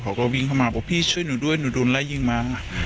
เขาก็วิ่งเข้ามาบอกพี่ช่วยหนูด้วยหนูโดนไล่ยิงมา